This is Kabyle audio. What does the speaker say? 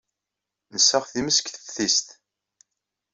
Nessaɣ timest deg teftist.